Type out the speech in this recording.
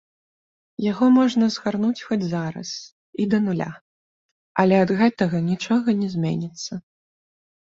Яго можна згарнуць хоць зараз, і да нуля, але ад гэтага нічога не зменіцца.